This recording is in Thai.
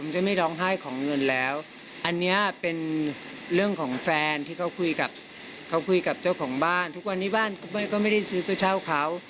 เจ้าของบ้านทุกวันนี้บ้านก็ไม่ได้ซื้อก็เช่าเขา